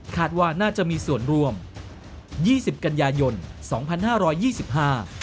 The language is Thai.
ว่าน่าจะมีส่วนร่วมยี่สิบกันยายนสองพันห้าร้อยยี่สิบห้า